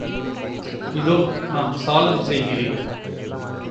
இதோ நான் சலாம் செய்கிறேன்.